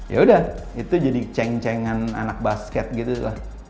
yaudah itu jadi ceng cengan anak basket gitu lah